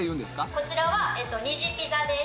こちらはニジピザです。